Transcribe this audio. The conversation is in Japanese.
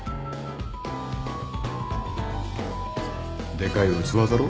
でかい器だろ？